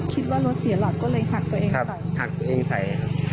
คิดว่ารถเสียหลักก็เลยหักตัวเองใส่หักตัวเองใส่ครับ